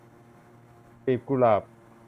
กลีบกุหลาบ